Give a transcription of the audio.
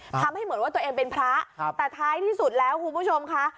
ทำให้เหมือนว่าตัวเองเป็นพระแต่ท้ายที่สุดแล้วคุณผู้ชมค่ะ